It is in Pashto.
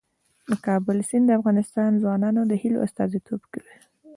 د کابل سیند د افغان ځوانانو د هیلو استازیتوب کوي.